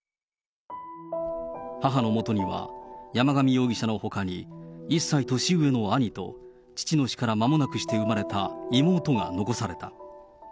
母のもとには、山上容疑者のほかに、１歳年上の兄と、父の死からまもなくして生まれた妹が残された。